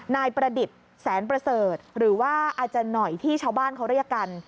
นายประดิษฐ์แสนประเสริฐหรือว่าอาจารย์หน่อยที่ชาวบ้านเขาเรียกกัน